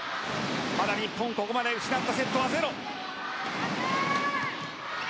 まだ日本、ここまで失ったセットは０。